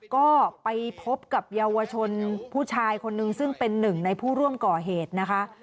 ก็ไปพบกับเยาวชนผู้ชายคนนึงซึ่งเป็นหนึ่งในผู้ร่วมก่อเหตุนะคะ